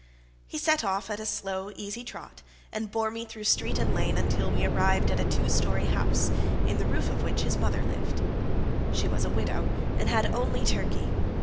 He set off at a slow easy trot, and bore me through street and lane until we arrived at a two storey house, in the roof of which his mother lived. She was a widow, and had only Turkey.